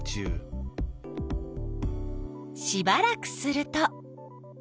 しばらくすると。